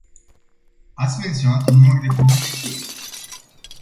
Ați menționat un număr de cuvinte cheie.